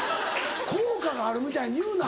「効果がある」みたいに言うな。